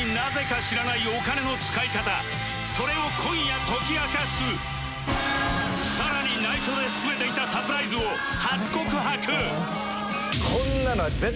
それをさらに内緒で進めていたサプライズを初告白